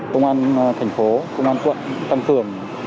công an thành phố công an quận tăng cường